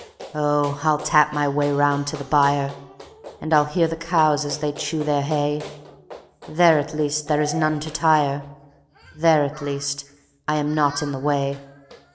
Oh, I'll tap my way around to the byre, And I'll hear the cows as they chew their hay; There at least there is none to tire, There at least I am not in the way.